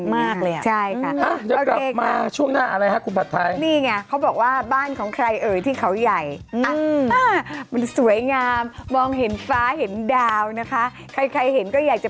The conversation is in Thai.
ไม่น่าเชื่อว่ามันจะมีแบบนี้ในโลกด้วยหรือ